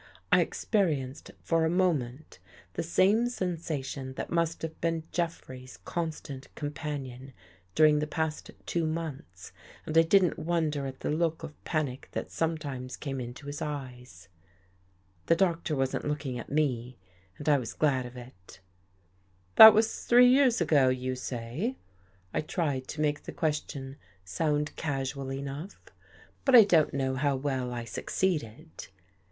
I ex perienced, for a moment, the same sensation that must have been Jeffrey's constant companion during the past two months and I didn't wonder at the look of panic that sometimes came into his eyes. The Doctor wasn't looking at me, and I was glad of it. 56 THE JADE EARRING '' That was three years ago, you say? " I tried to make the question sound casual enough, but I don't know how well I succeeded.